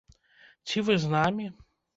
Ці вы з намі?